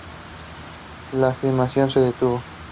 La filmación se detuvo.